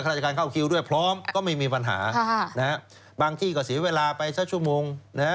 ราชการเข้าคิวด้วยพร้อมก็ไม่มีปัญหาบางที่ก็เสียเวลาไปสักชั่วโมงนะฮะ